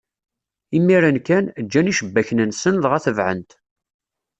Imiren kan, ǧǧan icebbaken-nsen, dɣa tebɛen-t.